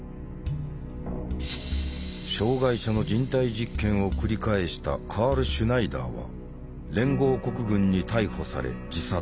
障害者の人体実験を繰り返したカール・シュナイダーは連合国軍に逮捕され自殺。